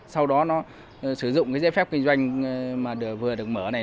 sau đó nó sử dụng cái giấy phép kinh doanh mà vừa được mở này